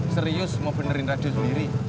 serius mau benerin radio sendiri